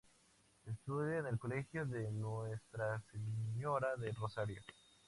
Estudia en el Colegio de Nuestra Señora del Rosario.